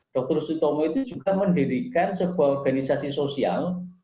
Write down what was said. dr sutomo itu juga mendirikan sebuah organisasi sosial